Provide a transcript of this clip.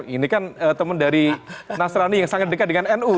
ini kan teman dari nasrani yang sangat dekat dengan nu